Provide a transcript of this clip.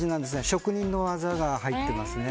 職人の技が入ってますね。